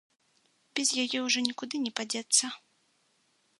Без яе ўжо нікуды не падзецца.